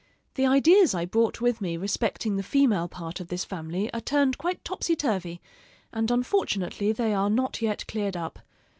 The ideas I brought with me respecting the female part of this family are turned quite topsy turvy, and unfortunately they are not yet cleared up.